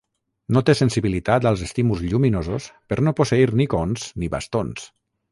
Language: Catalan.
No té sensibilitat als estímuls lluminosos per no posseir ni cons ni bastons.